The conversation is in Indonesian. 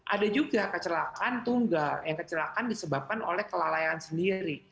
ada juga kecelakaan tunggal yang kecelakaan disebabkan oleh kelalaian sendiri